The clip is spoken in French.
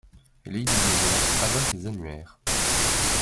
Lady Gaga abat ses annuaires.